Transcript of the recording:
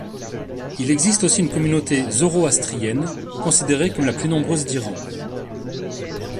Il existe aussi une communauté Zoroastrienne considérée comme la plus nombreuse d'Iran.